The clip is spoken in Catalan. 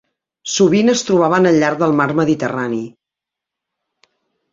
Sovint es trobaven al llarg del mar Mediterrani.